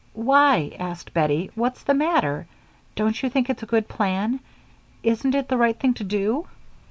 "Why," asked Bettie, "what's the matter? Don't you think it's a good plan? Isn't it the right thing to do?"